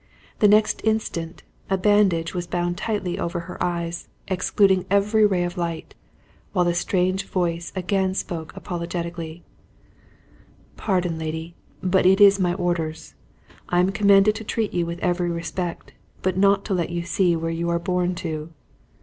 The next instant, a bandage was bound tightly over her eyes, excluding every ray of light, while the strange voice again spoke apologetically, "Pardon, lady, but it is my orders! I am commanded to treat you with every respect, but not to let you see where you are borne to."